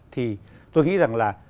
thì tôi nghĩ rằng là